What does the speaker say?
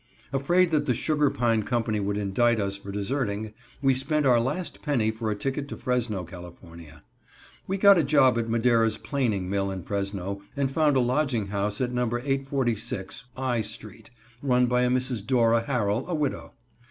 Afraid that the Sugar Pine Company would indict us for deserting, we spent our last penny for a ticket to Fresno, Cal. We got a job at Madera's planing mill in Fresno and found a lodging house at No. 846 I street, run by a Mrs. Dora Harrell, a widow.